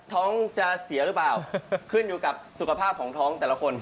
ท้องจะเสียหรือเปล่าขึ้นอยู่กับสุขภาพของท้องแต่ละคน